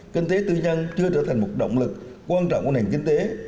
kinh tế tư nhân chưa trở thành một động lực quan trọng của nền kinh tế